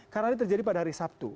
karena ini terjadi pada hari sabtu